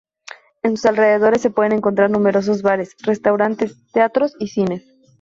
En sus alrededores se pueden encontrar numerosos bares, restaurantes, teatros y cines.